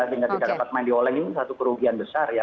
sehingga tidak dapat main di olling ini satu kerugian besar ya